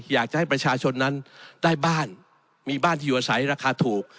อยากจะให้ประชาชนนั้นได้บ้านมีบ้านที่อยู่อาศัยราคาถูก